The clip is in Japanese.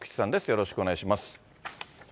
よろしくお願いします。